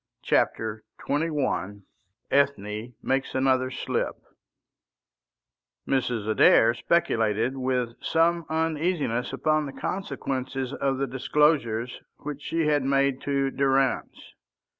CHAPTER XXI ETHNE MAKES ANOTHER SLIP Mrs. Adair speculated with some uneasiness upon the consequences of the disclosures which she had made to Durrance.